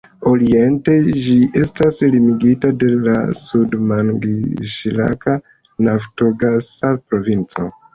Oriente ĝi estas limigita de la Sud-Mangiŝlaka naftogasa provinco.